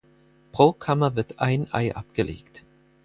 Pro Kammer wird ein Ei abgelegt.